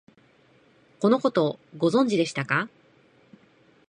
このこと、ご存知でしたか？